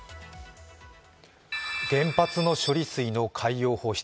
原発の処理水の海洋放出。